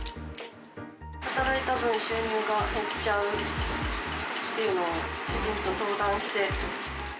働いた分、収入が減っちゃうっていうのを主人と相談をして。